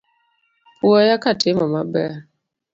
Puoya katimo maber.